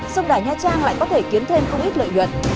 sông đài nha trang lại có thể kiến thêm không ít lợi nhuận